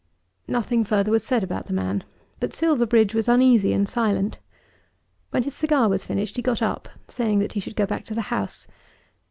Nothing further was said about the man, but Silverbridge was uneasy and silent. When his cigar was finished he got up, saying that he should go back to the House.